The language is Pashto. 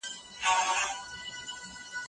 هغه د هېواد د پرمختګ لپاره د تعلیم ملاتړ وکړ.